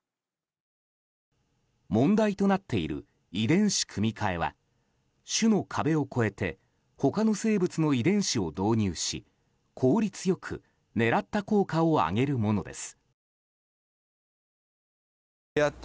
問題となっている遺伝子組み換えは種の壁を越えて他の生物の遺伝子を導入し効率よく狙った効果を上げるものです。